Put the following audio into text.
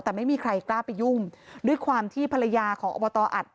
แต่ไม่มีใครกล้าไปยุ่งด้วยความที่ภรรยาของอบตอัด